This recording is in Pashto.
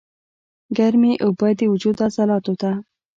ګرمې اوبۀ د وجود عضلاتو ته